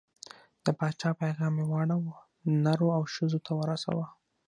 د پاچا پیغام یې واړو، نرو او ښځو ته ورساوه.